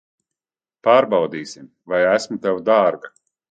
Pārbaudīsim, vai esmu tev dārga.